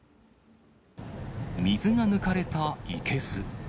水が抜かれた生けす。